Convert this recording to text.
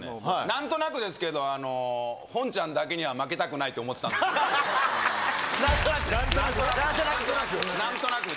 なんとなくですけど、本ちゃんだけには負けたくないって思ってたなんとなく。